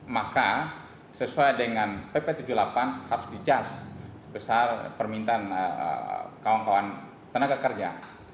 maka sesuai dengan pp tujuh puluh delapan harus dijas sebesar permintaan kawan kawan tenaga kerja